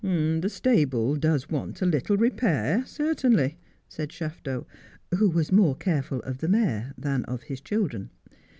' The stable does want a little repair, certainly,' said Shafto, who was more careful of the mare than of his children.